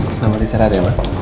selamat istirahat ya ma